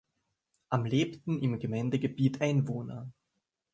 Am lebten im Gemeindegebiet Einwohner.